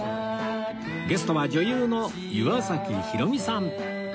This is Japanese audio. ゲストは女優の岩崎ひろみさん